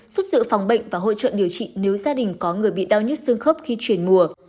giúp dự phòng bệnh và hỗ trợ điều trị nếu gia đình có người bị đau nhất xương khớp khi chuyển mùa